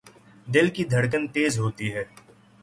دل کی دھڑکن تیز ہوتی ہے